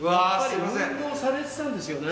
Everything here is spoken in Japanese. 運動されてたんですよね。